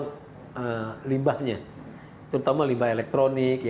untuk limbahnya terutama limbah elektronik